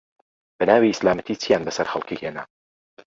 بەناوی ئیسلامەتی چیان بەسەر خەڵکی هێنا